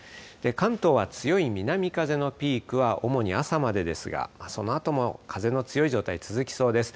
関東は強い南風のピークは主に朝までですが、そのあとも風の強い状態続きそうです。